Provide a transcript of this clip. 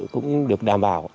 cũng được đảm bảo